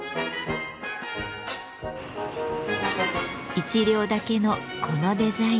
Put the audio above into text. １両だけのこのデザイン。